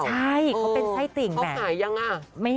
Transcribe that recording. ใช่เขาเป็นไส้ติ่งแหละ